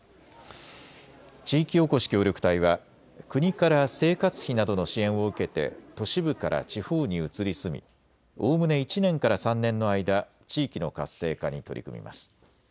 地域おこし協力隊は国から生活費などの支援を受けて都市部から地方に移り住みおおむね１年から３年の間、地域の活性化に取り組みます。